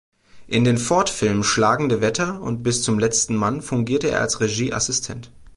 In den Ford-Filmen "Schlagende Wetter" und "Bis zum letzten Mann" fungierte er als Regie-Assistent.